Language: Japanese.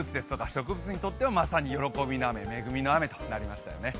植物にとってはまさに恵みの雨となりましたね。